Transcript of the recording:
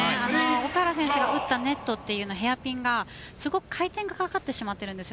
奥原選手は打ったネットというのはヘアピンがすごい回転がかかってしまっているんです。